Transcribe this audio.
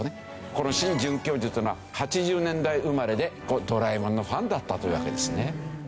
このシン准教授っていうのは８０年代生まれで『ドラえもん』のファンだったというわけですね。